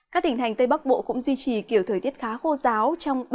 các tỉnh hành tây bắc bộ cũng duy trì kiểu thời tiết khá khô giáo trong ba ngày tới